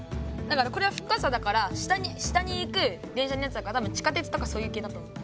これは深さだから下に行く電車のやつだから地下鉄とかそういうけいだと思う。